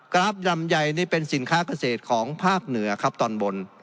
ราฟลำไยนี่เป็นสินค้าเกษตรของภาคเหนือครับตอนบน